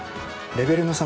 レベルの差